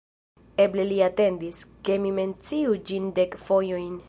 Eble li atendis, ke mi menciu ĝin dek fojojn.